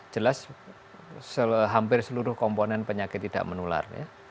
jelas hampir seluruh komponen penyakit tidak menular